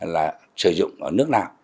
là sử dụng ở nước nào